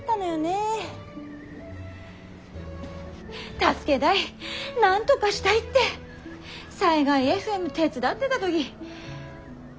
助けだいなんとがしたいって災害ＦＭ手伝ってだ時。